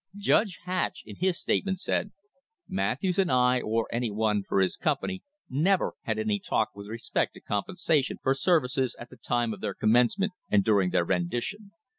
Judge Hatch in his statement said: "Matthews and I or any one for his company never had any talk with respect to compensation for services at the time of their commencement or during their rendition.